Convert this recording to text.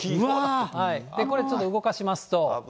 これ、ちょっと動かしますと。